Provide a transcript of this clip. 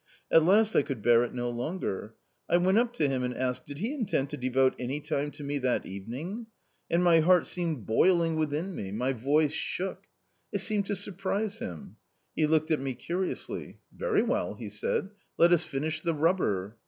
At last I could bear it no longer ; I went up to him and asked, did he intend to devote any time to me that evening ? And my heart seemed boiling < V A COMMON STORY 149 within me, my voice shook. It seemed to surprise him. He looked at me curiously. " Very well," he said, " let us finish the rubber."